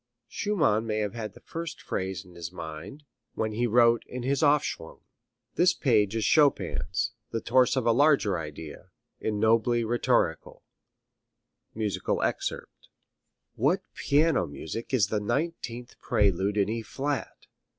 Schumann may have had the first phrase in his mind when he wrote his Aufschwung. This page of Chopin's, the torso of a larger idea, is nobly rhetorical. [Musical score excerpt] What piano music is the nineteenth prelude in E flat!